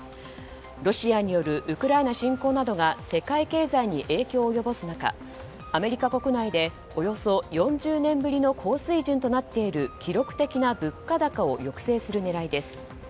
ロシアによるウクライナ侵攻などが世界経済に影響を及ぼす中、アメリカ国内でおよそ４０年ぶりの高水準となっている記録的な物価高を抑制する狙いです。